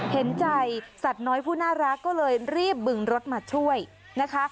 เห็นใจสัตว์น้อยผู้น่ารักก็เลยรีบบึงรถมาช่วยนะคะ